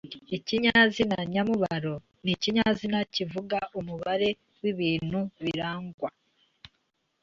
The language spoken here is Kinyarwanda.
Ikinyazina nyamubaro ni ikinyazina kivuga umubare w’ibintu birangwa